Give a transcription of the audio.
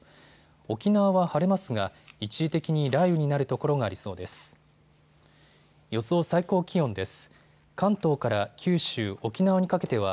沖縄は晴れますが一時的に雷雨になるところがありそうです。